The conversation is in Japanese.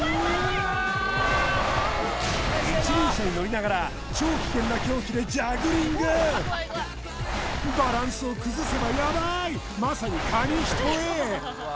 一輪車に乗りながら超危険な凶器でジャグリングバランスを崩せばヤバいまさに紙一重！